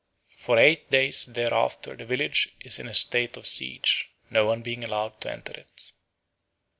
For eight days thereafter the village is in a state of siege, no one being allowed to enter it.